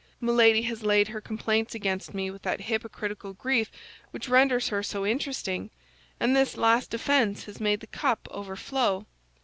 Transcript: Milady has laid her complaints against me with that hypocritical grief which renders her so interesting, and this last offense has made the cup overflow."